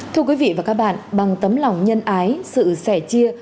thưa quý vị và các bạn bằng tấm lòng nhân ái sự sẻ chia